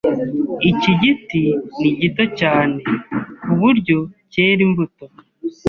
Iki giti ni gito cyane kuburyo cyera imbuto.